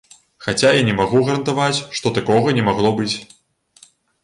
Хаця і не магу гарантаваць, што такога не магло быць.